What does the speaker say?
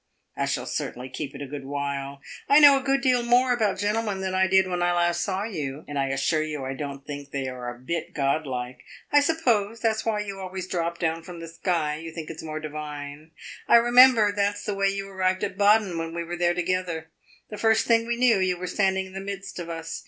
I shall certainly keep it a good while. I know a good deal more about gentlemen than I did when I last saw you, and I assure you I don't think they are a bit god like. I suppose that 's why you always drop down from the sky you think it 's more divine. I remember that 's the way you arrived at Baden when we were there together; the first thing we knew, you were standing in the midst of us.